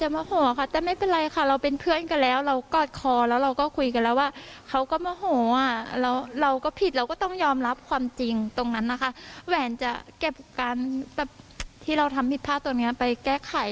แบบที่เราทำผิดภาพตัวนี้ไปแก้ไข